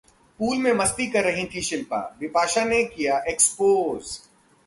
pool में मस्ती कर रही थीं शिल्पा, बिपाशा ने किया 'एक्सपोज'